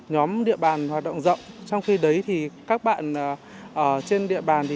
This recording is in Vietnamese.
nhóm địa bàn hoạt động rộng trong khi đấy thì các bạn ở trên địa bàn